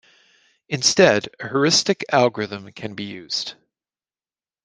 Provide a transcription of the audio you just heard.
Instead, a heuristic algorithm can be used.